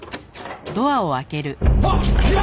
あっ！